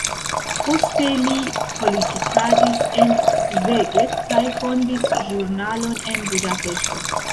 Poste li politikadis en Szeged kaj fondis ĵurnalon en Budapeŝto.